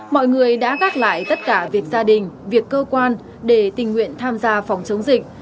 mọi người đã gác lại tất cả việc gia đình việc cơ quan để tình nguyện tham gia phòng chống dịch